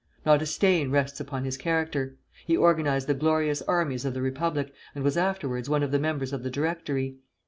Not a stain rests upon his character. He organized the glorious armies of the Republic, and was afterwards one of the members of the Directory.